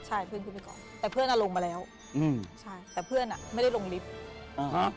ใช่เพื่อนขึ้นไปก่อนแต่เพื่อนอ่ะลงมาแล้วอืมใช่แต่เพื่อนอ่ะไม่ได้ลงลิฟต์อ่าฮะ